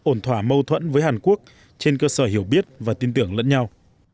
ổn thỏa mâu thuẫn với hàn quốc trên cơ sở hiểu biết và tin tưởng lẫn nhau